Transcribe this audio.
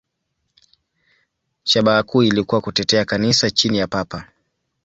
Shabaha kuu ilikuwa kutetea Kanisa chini ya Papa.